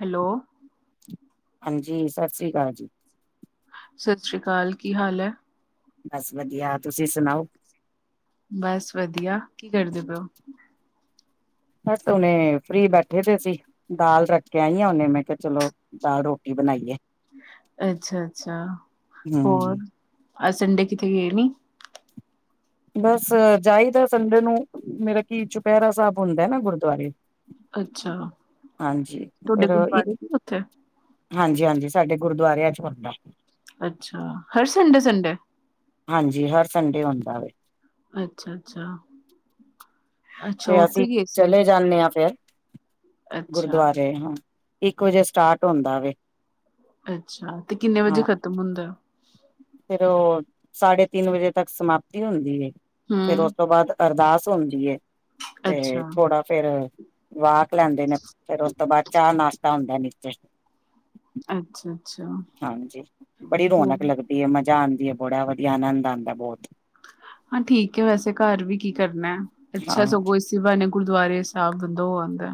Hello. ਹਾਂਜੀ, ਸਤ ਸ੍ਰੀ ਕਾਲ ਜੀ। ਸਤ ਸ੍ਰੀ ਕਾਲ, ਕੀ ਹਾਲ ਐ? ਬਸ ਵਧੀਆ, ਤੁਸੀਂ ਸੁਣਾਓ? ਬਸ ਵਧੀਆ, ਕੀ ਕਰਦੇ ਪੇ ਓ? ਬਸ ਹੁਨੇ ਫਰੀ ਬੈਠੇ ਦੇ ਸੀ। ਦਾਲ ਰੱਖ ਕੇ ਆਈ ਆ ਹੁਣੇ ਮੈਂ ਕਿਆ ਚਲੋ ਦਾਲ ਰੋਟੀ ਬਣਾਈਏ, ਅੱਛਾ ਹੂੰ। ਆਜ ਸੰਡੇ ਕਿਥੇ ਗਏ ਨੀ? ਬਸ ਜਾਈਦੈ ਸੰਡੇ ਨੂੰ ਮੇਰਾ ਕੀ ਚੁਪੈਰਾ ਸਾਬ ਹੁੰਦੈ ਨਾ ਗੁਰਦੁਆਰੇ। ਅੱਛਾ ਹਾਂਜੀ ਤੁਹਾਡੇ ਫੇਰ ਓ ਇ ਗੁਰਦੁਆਰੇ ਸੀ ਉੱਥੇ ਹਾਂਜੀ ਹਾਂਜੀ, ਸਾਡੇ ਗੁਰਦੁਆਰਿਆਂ ਚ ਹੂੰਦੈ। ਅੱਛਾ, ਹਰ ਸੰਡੇ-ਸੰਡੇ? ਹਾਂਜੀ, ਹਰ ਸੰਡੇ ਹੂੰਦਾ ਵੇ। ਅੱਛਾ, ਅੱਛਾ। ਅੱਛਾ ਤੇ ਅਸੀ ਉੱਥੇ ਗਏ ਸੀ ਚਲੇ ਜਾਂਨੇ ਆਂ ਫੇਰ ਅੱਛਾ ਗੁਰਦੁਆਰੇ, ਹਾਂ। ਇੱਕ ਵਜੇ ਸਟਾਰਟ ਹੁੰਦਾ ਵੇ। ਅੱਛਾ, ਤੇ ਕਿੰਨੇ ਵੱਜੇ ਖਤਮ ਹੁੰਦੈ? ਫੇਰ ਓ ਸਾਡੇ ਤਿੰਨ ਵਜੇ ਤੱਕ ਸਮਾਪਤੀ ਹੁੰਦੀ ਏ, ਫੇਰ ਹਮ ਓਸ ਤੋਂ ਬਾਦ ਅਰਦਾਸ ਹੋਂਦੀ ਏ, ਤੇ ਅੱਛਾ ਥੋੜਾ ਫੇਰ ਵਾਕ ਲੈਂਦੇ ਨੇ, ਫੇਰ ਓਸ ਤੋਂ ਬਾਦ ਚਾਅ-ਨਾਸ਼ਤਾ ਹੁੰਦੈ ਨੀਚੇ। ਅੱਛਾ। ਅੱਛਾ ਹਾਂਜੀ, ਬੜੀ ਹੋਰ ਰੋਨਕ ਲੱਗਦੀ ਏ, ਮਜਾ ਆਂਦੀ ਏ, ਬੜਾ ਵਦੀਆ, ਆਨੰਦ ਆਦੈ ਬੋਤ। ਹਾਂ ਠੀਕ ਏ ਵੈਸੇ ਘਾਰ ਵੀ ਕੀ ਕਰਨੈ, ਅੱਛਾ ਹਾਂ ਸਗੋਂ ਈਸੀ ਬ੍ਹਾਨੇ ਗੁਰਦੁਆਰੇ ਸਾਬ ਬੰਦਾ ਹੋ ਆਂਦੈ।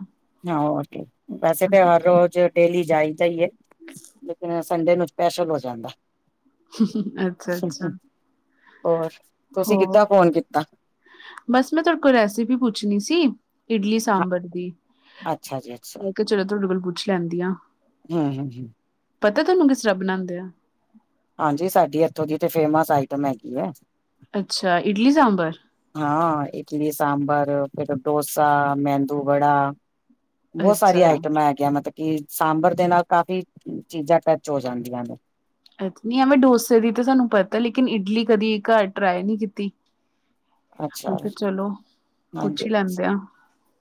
ਹਾਂ ਹੋਰ ਕੇ, ਵੈਸੇ ਤੇ ਹਰ ਰੋਜ ਡੇਲੀ ਜਾਈਦਾ ਈ ਏ ਲੇਕਿਨ ਸੰਡੇ ਨੂੰ ਸਪੈਸ਼ਲ ਹੋ ਜਾਂਦੈ। ਅੱਛਾ ਅੱਛਾ ਹੋਰ, ਤੂਸੀ ਕਿੱਦਾਂ ਫੋਨ ਕੀਤਾ? ਬਾੱਸ ਮੈਂ ਤੂਆਡੇ ਕੋਲ ਰੈਸਿਪੀ ਪੁੱਛਨੀ ਸੀ ਇਡਲੀ ਸਾਂਬਰ ਦੀ, ਅੱਛਾ ਜੀ ਅੱਛਾ ਮੈਂ ਕੇਆ ਚਲੋ ਤੂਆਡੇ ਕੋਲ ਪੁੱਛ ਲੈਂਦੀ ਆਂ। ਹੂੰ, ਹੂੰ, ਹੂੰ। ਪਤਾ ਤੂਆਨੂੰ ਕਿਸ ਤਰਾਂ ਬਨਾਂਦੇ ਐ? ਹਾਂਜੀ, ਸਾਡੀ ਐਥੋਂ ਦੀ ਤੇ ਫੇਮਸ ਆਈਟਮ ਹੈਗੀ ਏ। ਅੱਛਾ, ਇਡਲੀ ਸਾਂਬਰ। ਹਾਂ, ਇਟਲੀ ਸਾਂਬਰ ਫੇਰ ਡੋਸਾ, ਮੇਂਦੂ ਵੜਾ ਬੋਤ ਸਾਰੀਆਂ ਅੱਛਾ। ਆਈਟਮਾਂ ਹੈਗੀਆਂ ਮਤ ਕਿ ਸਾਂਬਰ ਦੇ ਨਾਲ ਕਾਫ਼ੀ ਚੀਜਾ ਟੱਚ ਹੋ ਜਾਂਦੀਆਂ ਨੇ। ਅੱਛ, ਨੀ ਐਂਵੇੈਂ ਡੋਸੇ ਦੀ ਤਾਂ ਸਾਨੂੰ ਪਤੈ, ਲੇਕਿਨ ਇਡਲੀ ਕਦੀ ਘਾਰ ਟਰਾਈ ਨੀ ਕੀਤੀ। ਅੱਛਾ ਮੈਂ ਕੇਆ ਚਲੋ, ਪੁੱਛ ਈ ਲੈਂਦੇ ਆ।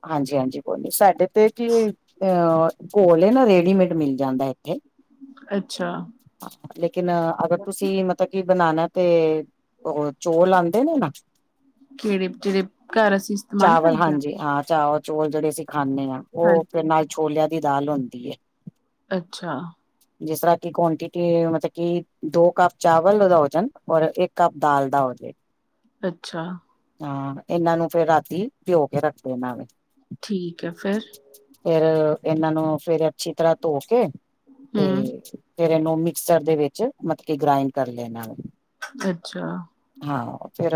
ਹਾਂਜੀ-ਹਾਂਜੀ ਕੋਈ ਨੀ, ਸਾਡੇ ਤੇ ਕੀ ਅ ਘੋਲ ਏ ਨਾ ਰੇਡੀਮੇਟ ਮਿਲ ਜਾਂਦੈ ਇੱਥੇ। ਅੱਛਾ। ਲੇਕਿਨ ਅਗਰ ਤੂਸੀ ਮਤਬ ਕੀ ਬਨਾਨੇ ਤੇ, ਓ ਚੌਲ ਆਂਦੇ ਨੇ ਨਾ ਕੈੜੇ, ਜੇੜੇ ਘਾਰ ਅਸੀ ਇਸਤੇਮਾਲ ਚਾਵਲ ਕਰਦੇ ਆਂ? ਹਾਂਜੀ ਹਾਂ, ਚਾਵਲ-ਚੁਵਲ ਜੇੜੇ ਅਸੀ ਖਾਂਨੇ ਆਂ, ਓ ਫਿਰ ਹਾਂਜੀ ਨਾਲ ਛੋਲੇਆਂ ਦੀ ਦਾਲ ਹੁੰਦੀ ਏ। ਅੱਛਾ। ਜਿਸ ਤਰਾ ਕੀ ਕੁਆਂਟਿਟੀ ਮਤਅ ਕਿ ਦੋ ਕਾੱਪ ਚਾਵਲ ਦਾ ਹੋ ਜਾਨ ਔਰ ਇੱਕ ਕਾੱਪ ਦਾਲ ਦਾ ਹੋ ਜੇ। ਅੱਛਾ। ਹਾਂ, ਏਨਾਂ ਨੂੰ ਫੇਰ ਰਾਤੀ ਭੇਓ ਕੇ ਰੱਖ ਦੇਨਾ ਵੇ। ਠੀਕ ਐ, ਫੇਰ? ਫੇਰ, ਇਨਾਂ ਨੂੰ ਫੇਰ ਅੱਛੀ ਤਰਾ ਧੋ ਕੇ, ਹਮ ਤੇ ਫੇਰ ਏਨੂੰ ਮਿਕਸਰ ਦੇ ਵਿੱਚ ਮਤ ਕਿ ਗ੍ਰਾਇੰਡ ਕਾਰ ਲੇਨਾ ਵੇ। ਅੱਛਾ। ਹਾਂ, ਫੇਰ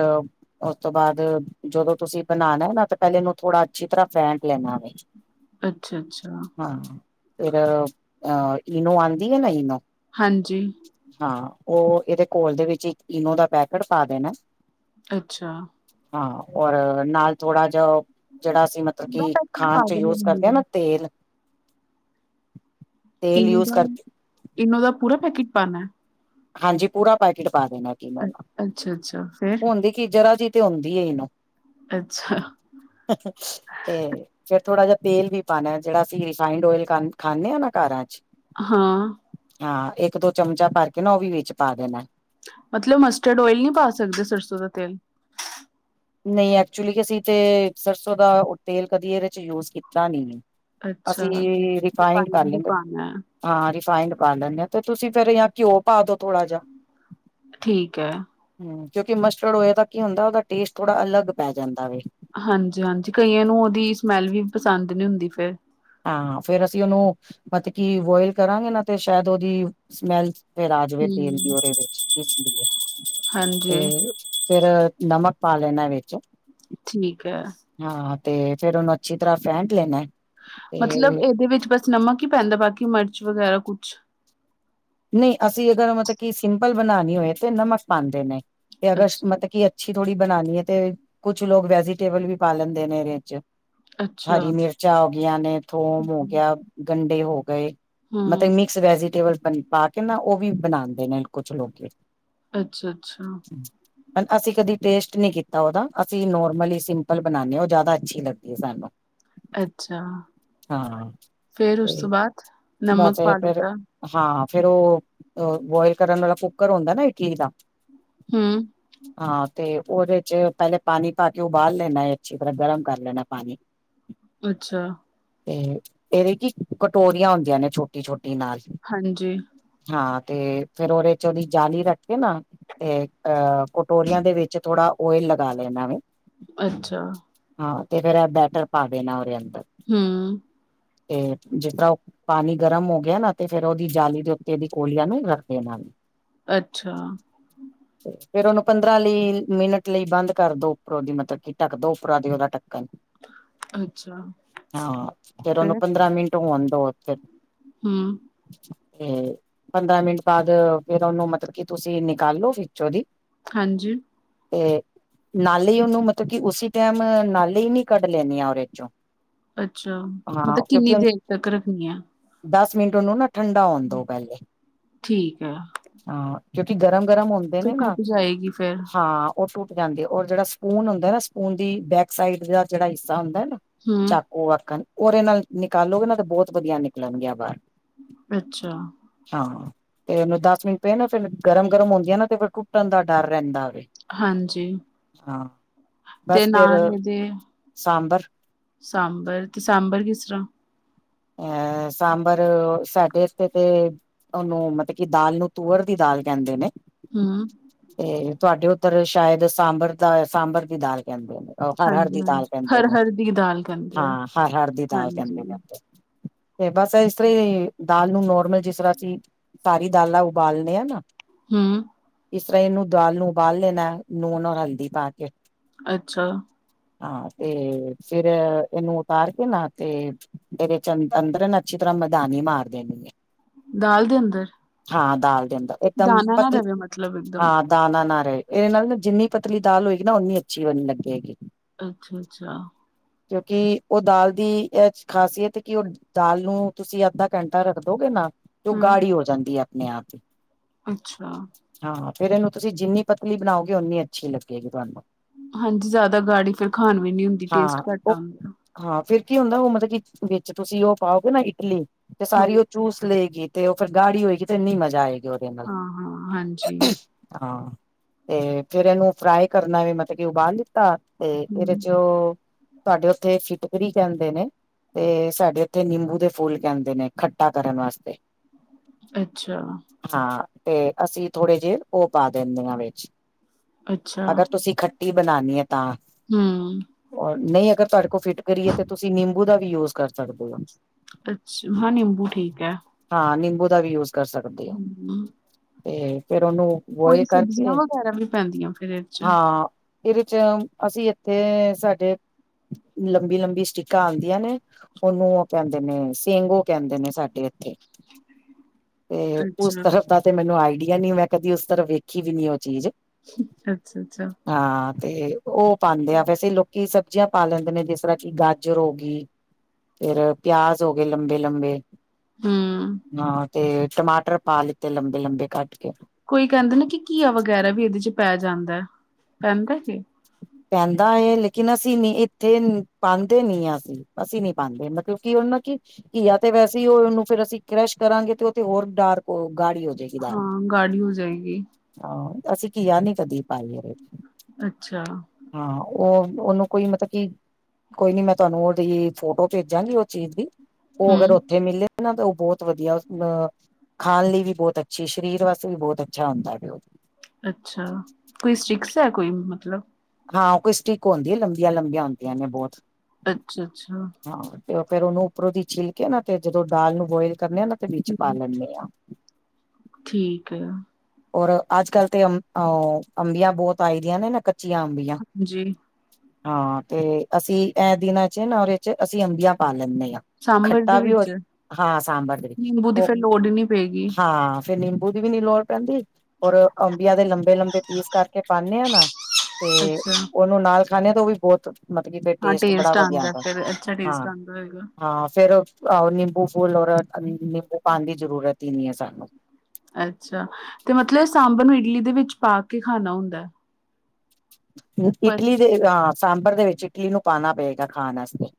ਉਸ ਤੋ ਬਾਦ, ਜਦੋਂ ਤੂਸੀ ਬਨਾਨੇ ਨਾ, ਤੇ ਪੈਲੇ ਇਨੂੰ ਥੋੜਾ ਅੱਛੀ ਤਰਾ ਫੈਂਟ ਲੈਨਾ ਵੇ। [inaudible] ਅੱਛਾ ਹਾਂ, ਫੇਰ ਅ ਈਨੋ ਆਂਦੀ ਏ ਨਾ ਈਨੋ ਹਾਂਜੀ। ਹਾਂ ਓ ਇਹਦੇ ਕੋਲ ਦੇ ਵਿੱਚ ਇੱਕ ਇਨੋ ਦਾ ਪੈਕੇਟ ਪਾ ਦੇਨੈ। ਅੱਛਾ। ਹਾਂ ਔਰ ਨਾਲ ਥੋੜਾ ਜਾ ਜੇੜਾ ਅਸੀਂ ਮਤਲਬ ਪੂਰਾ ਕਿ ਪੈਕਟ ਖਾਨ ਪਾ ਚ ਯੂਜ ਕਰਦੇ ਆ ਦੇਣਾ ਨਾ ਤੇਲ। ਤੇਲ ਇਨੂੰ ਯੂਜ ਦਾ ਕਰ ਇਨੋ ਦਾ ਪੂਰਾ ਪੈਕੇਟ ਪਾਨਾ? ਹਾਂਜੀ ਪੂਰਾ ਪੈਕੇਟ ਪਾ ਦੇਨਾ ਇਨੋ ਦਾ ਅੱਛਾ ਅੱਛਾ ਫੇਰ ਹੁੰਦੀ ਕੀ ਜਰਾ ਜੀ ਤੇ ਹੁੰਦੀ ਏ ਇਨੋ। ਅੱਛਾ। ਤੇ ਫੇਰ ਥੋੜਾ ਜਾ ਤੇਲ ਵੀ ਪਾਨੇ ਜੇੜਾ ਅਸੀਂ ਰਿਫੰਡ ਓਇਲ ਖਾ ਖਾਨੇ ਆ ਨਾ ਕਰਾ ਚ। ਹਾਂ। ਹਾਂ ਇੱਕ-ਦੋ ਚਮਚਾ ਪਰ ਕੇ ਨਾ ਔ ਵੀ ਵਿੱਚ ਪਾ ਦੇਨਾ। ਮਤਲਬ ਮਸਟਰਡ ਓਇਲ ਨੀ ਪਾ ਸਕਦੇ ਸਰਸੋਂ ਦਾ ਤੇਲ। ਨਈ ਐਕਚੁਲੀ ਅਸੀਂ ਤੇ ਸਰਸੋਂ ਦਾ ਓ ਤੇਲ ਕਦੀ ਏਦੇ ਚ ਯੂਜ ਕੀਤਾ ਨੀ ਐ। ਅੱਛਾ ਅਸੀਂ ਵੀ ਰਿਫਾਇੰਡ ਕਰ ਹੀ ਲੈਂਦੇ। ਪਾਨਾ ਹਾਂ ਰਿਫਾਈਨਡ ਪਾ ਲੈਨੇ ਆ ਤੇ ਤੁਸੀਂ ਫਿਰ ਯਾ ਘਿਓ ਪਾ ਦੋ ਥੋੜਾ ਜਾ। ਠੀਕ ਐ। ਹੂੰ ਕਿਉਂਕਿ ਮਸਟਰਡ ਹੋਏ ਤਾਂ ਕੀ ਹੁੰਦਾ ਓਦਾ ਟੇਸਟ ਥੋੜਾ ਅਲੱਗ ਪੈ ਜਾਂਦਾ ਵੇ। ਹਾਂਜੀ-ਹਾਂਜੀ ਕਈਆਂ ਨੂੰ ਔਦੀ ਸਮੈਲ ਵੀ ਪਸੰਦ ਨੀ ਹੁੰਦੀ ਫੇਰ। ਹਾਂ ਫੇਰ ਅਸੀਂ ਉਹਨੂੰ ਮਤ ਕੀ ਬੋਇਲ ਕਰਾਂਗੇ ਨਾ ਤੇ ਸ਼ਾਇਦ ਓਦੀ ਸਮੈਲ ਫੇਰ ਆ ਜਾਵੇ ਹੂੰ ਤੇਲ ਦੀ ਓਦੇ ਵਿੱਚ ਇਸ ਲਈ ਹਾਂਜੀ ਤੇ ਫੇਰ ਅ ਨਮਕ ਪਾ ਲੈਣਾ ਵਿੱਚ। ਠੀਕ ਐ। ਹਾਂ ਤੇ ਫੇਰ ਉਹਨੂੰ ਅੱਛੀ ਤਰਾਂ ਫੈਂਟ ਲੈਨਾ। ਮਤਲਬ ਏਦੇ ਵਿੱਚ ਬਸ ਨਮਕ ਹੀ ਪੈਂਦਾ ਬਾਕੀ ਮਿਰਚ ਵਗੈਰਾ ਕੁਛ ਨਈ ਅਸੀਂ ਅਗਰ ਮਤ ਕਿ ਸਿੰਪਲ ਬਨਾਨੀ ਹੋਏ ਤੇ ਨਮਕ ਪਾਉਂਦੇ ਨੇ ਤੇ ਅਗਰ ਅੱਛਾ ਮਤ ਕਿ ਅੱਛੀ ਥੋੜੀ ਬਨਾਨੀ ਹੈਏ ਤੇ ਕੁੱਛ ਲੋਕ ਵੈਜੀਟੇਬਲ ਵੀ ਪਾ ਲੈਂਦੇ ਨੇ ਇਦੇ ਚ। ਅੱਛਾ ਹਰੀ ਮਿਰਚਾਂ ਹੋਗਈਆਂ ਨੇ, ਥੋਮ ਹੋ ਗਿਆ, ਗੰਡੇ ਹੋ ਗੇ। ਮਤ ਹੂੰ ਮਿਕਸ ਵੈਜੀਟੇਬਲ ਬ ਪਾ ਕੇ ਨਾ ਓ ਵੀ ਬਨਾਦੇ ਨੇ ਕੁਛ ਲੋਕੀ। ਅੱਛਾ-ਅੱਛਾ ਅਸੀਂ ਕਦੀ ਟੇਸਟ ਨੀ ਕੀਤਾ ਓਦਾ ਅਸੀਂ ਨੋਰਮਲ ਹੀ ਸਿੰਪਲ ਬਨਾਨੇ ਆ ਉਹ ਜਾਦਾ ਅੱਛੀ ਲੱਗਦੀ ਏ ਸਾਨੂੰ। ਅੱਛਾ ਹਾਂ ਫੇਰ ਉਸ ਤੇ ਤੋਂ ਬਾਦ ਨਮਕ ਬਸ ਪਾ ਫੇਰ ਦਿੱਤਾ। ਹਾਂ ਫੇਰ ਓ ਬੋਇਲ ਕਰਨ ਵਾਲਾ ਕੁੱਕਰ ਹੁੰਦਾ ਨਾ ਇਟਲੀ ਦਾ। ਹੂੰ ਹਾਂ ਤੇ ਔਦੇ ਚ ਪੈਲੇ ਪਾਨੀ ਪਾ ਕੇ ਉਬਾਲ ਲੈਨਾ ਏ ਅੱਛੀ ਤਰ੍ਹਾਂ ਗਰਮ ਕਰ ਲੈਨਾ ਪਾਨੀ। ਅੱਛਾ। ਤੇ ਏਦੇ ਕੀ ਕਟੋਰੀਆਂ ਹੁੰਦੀਆਂ ਨੇ ਛੋਟੀ-ਛੋਟੀ ਨਾਲ। ਹਾਂਜੀ ਹਾਂ ਤੇ ਫੇਰ ਔਦੇ ਚ ਔਦੀ ਜਾਲੀ ਰੱਖ ਕੇ ਨਾ ਤੇ ਅਹ ਕਟੋਰੀਆਂ ਦੇ ਵਿੱਚ ਥੋੜਾ ਓਇਲ ਲਗਾ ਲੈਨਾ ਵੇ। ਅੱਛਾ ਹਾਂ ਤੇ ਫੇਰ ਐ ਬੈਟਰ ਪਾ ਦੇਨੇ ਉਦੇ ਅੰਦਰ। ਹੂੰ ਤੇ ਜਿਸ ਤਰ੍ਹਾਂ ਉਹ ਪਾਣੀ ਗਰਮ ਹੋ ਗਿਆ ਨਾ ਤੇ ਫੇਰ ਉਹਦੀ ਜਾਲੀ ਦੇ ਉ ਤੇ ਏਦੀ ਕੋਲੀਆ ਨੀ ਰੱਖਦੇ ਨਾਲ। ਅੱਛਾ ਫੇਰ ਉਹਨੂੰ ਪੰਦਰਾਂ ਲਈ ਮਿੰਟ ਲਈ ਬੰਦ ਕਰ ਦੋ ਉਪਰੋਂ ਦੀ ਮਤਲਬ ਕਿ ਢੱਕ ਦੋ ਉਪਰਰਾ ਦੀ ਉਹਦਾ ਢੱਕਣ। ਅੱਛਾ ਹਾਂ ਫਿਰ ਉਹਨੂੰ ਫੇਰ ਪੰਦਰਾਂ ਮਿੰਟ ਆਉਂ ਦ ਫਿਰ। ਹਮ। ਹਮ। ਪੰਦਰਾਂ ਮਿੰਟ ਬਾਅਦ ਫੇਰ ਉਹਨੂੰ ਮਤਲਬ ਕੀ ਤੁਸੀਂ ਨਿਕਾਲੋ ਫੋਦੀ। ਹਾਂਜੀ। ਅਤੇ। ਨਾਲੇ ਉਹਨੂੰ ਮਤਲਬ ਕਿ ਉਸਸੀ ਟਾਈਮ ਨਾਲੇ ਹੀ ਨਹੀਂ ਕੱਢ ਲੈਣੀ ਆ ਉਹਦੇ ਚੋਂ। ਅੱਛਾ ਹਾਂ ਮਤਲਬ ਕਿੰਨੀ ਕਿਉਂਕਿ ਦੇਰ ਤੱਕ ਰੱਖਣੀ ਆ? ਦਸ ਮਿੰਟ ਉਹਨੂੰ ਨਾ ਠੰਡਾ ਆਉਣ ਦਓ ਪਹਿਲੇ। ਠੀਕ ਐ, ਹਾਂ ਕਿਉਂਕਿ ਗਰਮ-ਗਰਮ ਹੁੰਦੇ ਫਿਰ ਨੇ ਨਾ ਟੁੱਟ ਜਾਏਗੀ ਫੇਰ ਹਾਂ। ਉਹ ਟੁਟ ਜਾਂਦੇ ਔਰ ਜਿਹੜਾ ਸਪੂਨ ਹੁੰਦਾ ਨਾ ਸਪੂਨ ਦੀ ਬੈਕ ਸਾਈਡ ਦਾ ਜਿਹੜਾ ਹਿੱਸਾ ਹੁੰਦਾ ਨਾ ਹੂੰ, ਚੱਕ ਉਹ ਆਖਣ, ਰੇ ਨਾਲ ਨਿਕਾਲੋਗੇ ਨਾ ਤੇ ਬਹੁਤ ਵਧੀਆ ਨਿਕਲਣਗ ਬਾਹਰ। ਅੱਛਾ। ਹਾਂ ਤੇ ਮੈਨੂੰ ਦਸ ਮਿੰਟ ਪਏ ਨਾ ਫਿਰ ਗਰਮ-ਗਰਮ ਹੁੰਦੀਆਂ ਨਾ ਤੇ ਫਿਰ ਟੁੱਟਣ ਦਾ ਡਰ ਰਹਿੰਦਾ ਵੇ। ਹਾਂਜੀ ਹਾਂ। ਤੇ ਬਸ ਫੇਰ ਨਾਲ ਇਹਦੇ ਸਾਂਬਰ ਸਾਂਬਰ ਤੇ, ਸਾਂਬਰ ਕਿਸਸਰਾ? ਐ ਸਾਂਬਰ ਸਾਡੇ ਤੇ ਉਹਨੂੰ ਮਤਲਬ ਕਿ ਦਾਲ ਨੂੰ ਤੂਅਰ ਦੀ ਦਾਲ ਕਹਿੰਦੇ ਨੇ। ਹਮ। ਤੇ ਤੁਹਾਡੇ ਉੱਧਰ ਸ਼ਾਇਦ ਸਾਂਬਰ ਦਾ ਸਾਂਬਰ ਦੀ ਦਾਲ ਕਹਿੰਦੇ ਨੇ। ਉਹ ਹਰ-ਹਰ ਦੀ ਹਾਂਜੀ-ਹਾਂਜੀ ਦਾਲ ਕਹਿੰਦੇ ਨੇ, ਹਰ-ਹਰ ਦੀ ਦਾਲ ਕਹਿੰਦੇ ਆ, ਹਾਂ ਹਰ-ਹਰ ਦੀ ਦਾਲ ਹਾਂਜੀ ਕਹਿੰਦੇ ਨੇ। ਤੇ ਬਸ ਇਸ ਤਰ੍ਹਾਂ ਹੀ ਦਾਲ ਨੂੰ ਨੋਰਮਲ ਜਿਸ ਤਰ੍ਹਾਂ ਸੀ ਸਾਰੀ ਦਾਲਾਂ ਉਬਾਲਣੇ ਆ ਨਾ। ਹਮ। ਇਸ ਤਰ੍ਹਾਂ ਇਹਨੂੰ ਦਾਲ ਨੂੰ ਉਬਾਲ ਲੈਣਾ ਲੂਨ ਔਰ ਹਲਦੀ ਪਾ ਕੇ। ਅੱਛਾ। ਹਾਂ ਤੇ, ਫਿਰ ਇਹਨੂੰ ਉਤਾਰ ਕੇ ਨਾ ਤੇ ਏਦੇ ਚ' ਅੰਦਰਨ ਅੱਛੀ ਤਰ੍ਹਾਂ ਮੈਦਾਨੀ ਮਾਰ ਦੇਣੀ ਹੈ। ਦਾਲ ਦੇ ਅੰਦਰ ਹਾਂ ਦਾਲ ਦੇ ਅੰਦਰ, ਇੱਕਦਮ ਦਾਣਾ ਨਾ ਪਤਲੀ ਰਵੇ ਮਤਲਬ ਇੱਕਦਮ ਹਾਂ ਦਾਨਾਂ ਨਾ ਰਹੇ, ਇਹਦੇ ਨਾਲ ਨਾ ਜਿੰਨੀ ਪਤਲੀ ਦਾਲ ਹੋਏਗੀ ਨਾ ਉਨੀ ਅੱਛੀ ਬਣੀ ਲੱਗੇ ਗੀ। ਅੱਛਾ-ਅੱਛਾ। ਕਿਉਂਕਿ, ਉਹ ਦਾਲ ਦੀ ਇਹ ਖ਼ਾਸੀਅਤ ਕਿ ਉਹ ਦਾਲ ਨੂੰ, ਤੁਸੀਂ ਅੱਧਾ-ਘੰਟਾ ਰੱਖ ਦੋਗੇ ਨਾ, ਤੇ ਉਹ ਹੂੰ, ਗਾੜੀ ਹੋ ਜਾਂਦੀ ਹੈ। ਨਹੀਂ, ਆਪ ਅੱਛਾ! ਹਾਂ। ਫੇਰ ਇਹਨੂੰ ਤੁਸੀਂ ਜਿੰਨੀ ਪਤਲੀ ਬਣਾਓਗੇ ਉ ਓਨੀ ਅੱਛੀ ਲੱਗੇਗੀ ਤੁਹਾਨੂੰ। ਹਾਂਜੀ। ਜਿਆਦਾ ਗਾੜੀ ਫਿਰ ਖਾਣ ਵੀ ਨੀ ਹੁੰਦੀ ਟੇਸਟ ਹਾਂ ਘੱਟ ਆਉਦਾਂ। ਹਾਂ। ਫੇਰ ਕੀ ਹੁੰਦਾ, ਉਹ ਮਤਲਬ ਕਿ ਵਿੱਚ ਤੁਸੀਂ ਉਹ ਪਾਓਗੇ ਨਾ ਇਟਲੀ, ਤੇ ਹਾਂ, ਸਾਰੀ ਉਹ ਚੂਸ ਲਏਗੀ। ਤੇ ਉਹ ਫਿਰ ਗਾੜੀ ਹੋਏਗੀ, ਤੇ ਇੰਨੀ ਮਜ਼ਾ ਆਏਗਾ ਉਹਦੇ ਨਾਲ। ਹਾਂ, ਹਾਂ ਹਾਂਜੀ ਹਾਂ। ਤੇ ਫੇਰ ਇਹਨੂੰ ਫਰਾਈ ਕਰਨਾ ਵੀ ਮਤਲਬ ਕੀ ਉਬਾਲ ਲਿੱਤਾ। ਤੇ ਇਹ ਦੇ ਹੂੰ ਚ'ਉਹ, ਤੁਹਾਡੇ ਉੱਥੇ ਫਿਟਕਰੀ ਕਹਿੰਦੇ ਨੇ। ਤੇ ਸਾਡੇ ਇੱਥੇ ਨਿੰਬੂ ਦੇ ਫੁੱਲ ਕਹਿੰਦੇ ਨੇ ਖੱਟਾ ਕਰਨ ਵਾਸਤੇ। ਅੱਛਾ। ਹਾਂ। ਤੇ ਅਸੀਂ ਥੋੜੇ ਜਿਹੇ ਉਹ ਪਾ ਦਿੰਦੇ ਹਾਂ ਵਿੱਚ। ਅੱਛਾ ਅਗਰ, ਤੁਸੀਂ ਖੱਟੀ, ਬਣਾਣੀ ਹੈ ਤਾਂ ਹਮ ਐਰ, ਨਹੀਂ ਅਗਰ ਤੁਹਾਡੇ ਕੋਲ ਫਿੱਟਕਰੀ ਏ, ਤਾਂ ਤੁਸੀਂ ਨਿੰਬੂ ਦਾ ਵੀ, ਯੂਜ ਕਰ ਸਕਦੇ ਹੋ ਅੱਛ ਹਾਂ, ਨਿੰਬੂ ਠੀਕ ਹੈ ਹਾਂ ਨਿੰਬੂ ਦਾ ਵੀ, ਯੂਜ ਕਰ ਸਕਦੇ ਹੋ, ਤੇ ਫੇਰ ਉਹਨੂੰ ਬੋਆਇਲ ਕੋਈ ਸਬਜ਼ੀਆਂ ਕਰਕੇ, ਵਗੈਰਾ ਵੀ ਪੈਂਦੀਆਂ ਫਿਰ ਇਹ ਚ ਹਾਂ! ਇਹ ਵਿਚ ਅਸੀਂ, ਇੱਥੇ ਸਾਡੇ ਲੰਬੀ- ਲੰਬੀ ਸਟਿ ਕਿਕਾਂ ਆਦੀਆਂ ਨੇ, ਉਹਨੂੰ ਉਹ ਕਹਿੰਦੇ ਨੇ ਸਿੰਗੋ, ਕਹਿੰਦੇ ਨੇ ਸਾਡੇ ਇੱਥੇ ਤੇ ਉਸ ਅੱਛਾ, ਤਰ੍ਹਾਂ ਤਾਂ ਤੇ ਮੈਨੂੰ ਆਈਡੀਆ ਨਈ, ਮੈਂ ਕਦੀ ਉਸ ਤਰਫ ਵੇਖੀ ਦੀ ਨਈ ਉਹ ਚੀਜ ਅੱਛਾ- ਅੱਛਾ ਹਾਂ ਤੇ ਉਹ ਪਾਉਂਦੇ ਆ, ਵੈਸੇ ਲੋਕੀ ਸਬਜ਼ੀਆਂ ਪਾ ਲੈਂਦੇ ਨੇ, ਜਿਸ ਤਰ੍ਹਾਂ ਕਿ ਗਾਜ ਗਜਰ ਹੋ ਗਈ, ਫਿਰ ਪਿਆਜ ਹੋ ਗਏ ਲੰਬੇ- ਲੰਬੇ ਹੂੰ ਹਾਂ ਤੇ, ਟਮਾਟਰ ਪਾ ਲਿੱਤੇ ਲੰਬੇ-ਲੰਬੇ ਕੱਟ ਕੇ ਕੋਈ ਕਹਿੰਦੇ ਨਾ ਕਿ ਘੀਆ, ਵਗੈਰਾ ਵੀ ਇਹਦੇ ਚ, ਪੈ ਜਾਂਦਾ ਪੈਂਦਾ ਕਿ ਪੈਂਦਾ ਐ ਲੇਕਿਨ, ਅਸੀਂ ਨ ਇੱਥੇ ਪਾਉਦੇ ਨੀ ਹ ਅਸੀਂ-ਅਸੀਂ ਨੀ ਪਾਉਦੇ ਮਤਲਬ ਕੀ, ਉਹ ਨਾ ਕਿ ਘੀਆ ਤੇ ਵੈਸੇ ਹੀ, ਉਹਨੂੰ ਫਿਰ ਅਸੀਂ ਕਰੈਸ਼ ਕਰਾਂਗੇ ਤੇ, ਉਹ ਤੇ ਹੋਰ ਡਾਰਕ, ਗਾੜੀ ਹੋ ਜਾਏਗੀ ਹਾਂ, ਗਾੜੀ ਹੋ ਜਾਏਗੀ ਆ, ਅਸੀਂ ਕੀਆ ਨਈ, ਕਦੀ ਪਾਈ ਏਦੇ ਚ ਅੱਛਾ! ਹਾਂ ਉਹ, ਉਹਨੂੰ ਕੋਈ ਮਤਲਬ ਕੀ ਕੋਈ ਨੀ, ਮੈਂ ਤੁਹਾਨੂੰ ਉਹਦੀ ਫੋਟੋ ਭੇਜਾਂਗੀ, ਉਹ ਚੀਜ਼ ਦੀ, ਉਹ ਹੂੰ ਅਗਰ ਉੱਥੇ ਮਿਲੇ ਨਾ ਤਾਂ ਉਹ, ਬਹੁਤ ਵਧੀਆ ਅ ਖਾਣ ਲਈ ਵੀ ਬਹੁਤ ਅੱਛੀ ਸਰੀਰ ਵਾਸਤੇ ਵੀ ਬਹੁਤ ਅੱਛਾ ਹੁੰਦਾ ਵੇ ਉਹ ਅੱਛਾ! ਕੋਈ ਸਟਿਕਸ ਹੈ, ਕੋਈ ਮਤਲਬ ਹਾਂ ਕੋਈ ਸਟਿਕ ਹੁੰਦੀ ਹੈ, ਲੰਬੀਆਂ- ਲੰਬੀਆਂ ਹੁੰਦੀਆਂ ਨੇ ਬਹੁਤ ਅੱਛਾ- ਅੱਛਾ ਹਾਂ ਤੇ ਫੇਰ, ਉਹਨੂੰ ਉਪਰੋਂ ਦੀ ਛਿੱਲ ਕੇ ਨਾ ਤੇ, ਜਦੋਂ ਦਾਲ ਨੂੰ ਬੋਇਲ ਕਰਨੇ ਆ ਨਾ, ਤੇ ਵਿੱਚ ਪਾ ਹੂੰ, ਲੈਂਦੇ ਆ ਠੀਕ ਏ ਔਰ ਅੱਜ- ਕੱਲ ਤੇ, ਅ- ਅ ਅੰਬੀਆਂ ਬਹੁਤ ਆਈ ਦੀਆਂ ਨੇ ਨਾ, ਕੱਚੀਆਂ ਅੰਬੀਆਂ ਹਾਂਜੀ! ਹਾਂ ਤੇ ਅਸੀਂ, ਇਹ ਦਿਨਾਂ ਚ ਨਾ ਉਹਦੇ ਚ ਅਸੀਂ ਅੰਬੀਆਂ ਪਾ ਲੈਂਦੇ ਹਾਂ ਸਾਂਬਰ ਦੇ ਖੱਟਾ ਵੀ ਹੋ ਵਿੱਚ ਹਾਂ ਸਾਂਬਰ ਦੇ ਵਿੱਚ ਨਿੰਬੂ ਦੀ ਉਹ ਫੇਰ ਲੋੜ ਹੀ ਨੀ ਪਏਗੀ। ਹਾਂ ਫਿਰ ਨਿੰਬੂ ਦੀ ਵੀ ਨੀ ਲੋੜ ਪੈਂਦੀ, ਔਰ ਅੰਬੀਆਂ ਦੇ ਲੰਬੇ- ਲੰਬੇ ਪੀਸ ਕਰਕੇ ਪਾਣੇ ਆ ਨਾ ਤੇ, ਅੱਛਾ। ਉਹਨੂੰ ਨਾਲ ਖਾਣੇ ਤੋਂ ਵੀ ਬਹੁਤ ਮਤਲਬ ਕੀ ਫਿਰ, ਹਾਂ ਟੇਸਟ ਬੜਾ ਵਧੀਆ ਆਂਦਾ ਤ ਫੇਰ ਅੱਛਾ ਟੇਸਟ ਹਾਂ- ਆਂਦਾ ਹੋਏਗਾ। ਹਾਂ ਫੇਰ ਹ ਹੋ ਨਿੰਬੂ ਫੂਲ, ਔਰ ਨਿੰਬੂ ਪਾਦੀ ਜ਼ਰੂਰਤ ਹੀ ਨਹੀਂ ਹੈ ਸਾਨੂੰ ਅੱਛਾ, ਤੇ ਮਤਲਬ ਸਾਂਬਰ, ਨੂੰ ਇਡਲੀ ਦੇ ਵਿੱਚ ਪਾ ਕੇ, ਖਾਣਾ ਹੁੰਦਾ ਉੱਪਰ। ਇਡਲੀ ਦੇ, ਹ ਸਾਂਬਰ ਦੇ ਵਿੱਚ, ਕਿਨੂੰ ਪਾਣਾ ਪਏਗਾ ਖਾਣ ਆਸਤੇ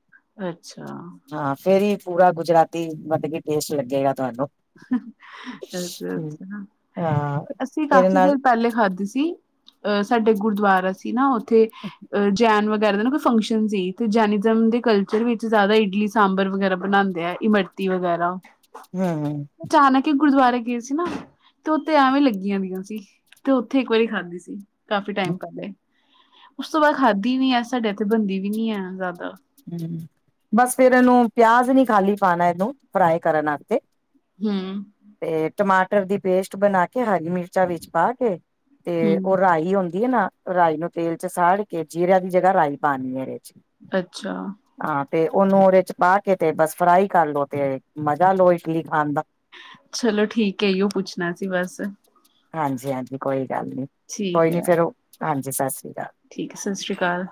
ਅੱਛਾ। ਹਾਂ ਫੇਰ ਵੀ ਪੂਰਾ ਗੁਜਰਾਤੀ, ਮਤਲਬ ਕਿ, ਟੇਸਟ ਲੱਗੇਗਾ ਤੁਹਾਨੂੰ ਅ- ਅੱਛਾ ਹਾਂ ਅਸੀਂ ਤੇਰੇ ਕਾਫ਼ੀ ਦੇਰ ਨਾਲ ਪਹਿਲੇ, ਖਾਧੀ ਸੀ। ਅਹ ਸਾਡੇ, ਗੁਰਦੁਆਰਾ ਸੀ ਨਾ, ਉੱਥੇ ਅਹ ਜਾਣ ਵਗੈਰਾ ਦਾ ਨਾ ਫੰਕਸ਼ਨ ਸੀ ਤੇ, ਜੈਨਜ਼ਮ ਦੇ ਕਲਚਰ ਵਿੱਚ, ਜ਼ਿਆਦਾ ਇਡਲੀ -ਸਾਂਬਰ ਵਗੈਰਾ ਬਣਾਉਦੇ ਆ ਇਮਰਤੀ ਵਗੈਰਾ ਹਮ ਹਮ [inaudible] ਚਾਨਕ ਈ ਗੁਰਦਆਰੇ ਗਏ ਸੀ ਨਾ। ਤੇ ਓਥੇ ਐਵੇਂ ਲੱਗੀਆਂ ਦੀਆਂ ਸੀ। ਤੇ ਓਥੇ ਇੱਕ ਵਾਰੀ ਖਾਧੀ ਸੀ ਕਾਫੀ ਹਮ ਟਾਈਮ ਪੈਲੇ। ਉਸ ਤੋਂ ਬਾਦ ਖਾਧੀ ਨੀ ਐ ਸਾਡੇ ਏਥੇ ਬਨਦੀ ਵੀ ਨੀ ਹੈ ਜਾਦਾ। ਹੂੰ। ਬਸ ਫੇਰ ਏਨੂੰ ਪੇਆਜ ਨੀ ਖਾਲੀ ਪਾਣਾ ਏਨੂੰ ਫਰਾਈ ਕਰਨ ਆਸਤੇ। ਹੂੰ। ਤੇ ਟਮਾਟਰ ਦੀ ਪੇਸਟ ਬਨਾ ਕੇ ਹਰੀ ਮਿਰਚ ਚਾ ਵਿੱਚ ਪਾ ਕੇ ਤੇ ਹਮ ਓ ਰਾਈ ਹੁੰਦੀ ਏ ਨਾ ਰਾਈ ਨੂੰ ਤੇਲ ਚ ਸਾੜ ਕੇ ਜੀਰੇ ਦੀ ਜਗਾ ਰਾਈ ਪਾਨੀ ਏਰੇ ਚ। ਅੱਛਾ। ਆ ਤੇ ਓਨੂੰ ਓਰੇ ਚ ਪਾ ਕੇ ਤੇ ਬਸ ਫਰਾਈ ਕਰ ਲੋ ਤੇ ਮਜਾ ਲੋ ਇਟਲੀ ਖਾਨ ਦਾ। ਚਲੋ ਠੀਕ ਏ। ਅਈ ਓ ਪੁੱਛਨਾ ਸੀ ਬਸ। ਹਾਂਜੀ ਹਾਂਜੀ। ਕੋਈ ਗੱਲ ਨੀ। ਕੋਈ ਠੀਕ ਨੀ ਹੈ ਫੇਰ ਓ ਹਾਂਜੀ। ਸਤਿ ਸ਼੍ਰੀ ਅਕਾਲ। ਠੀਕ। ਸਤਿ ਸ਼੍ਰੀ ਅਕਾਲ।